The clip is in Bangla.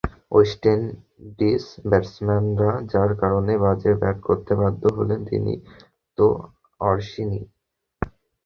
ওয়েস্ট ইন্ডিজ ব্যাটসম্যানরা যাঁর কারণে বাজে ব্যাট করতে বাধ্য হলেন, তিনি তো অশ্বিনই।